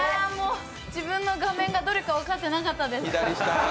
自分の画面がどれか分かってなかったです。